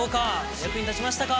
役に立ちましたか？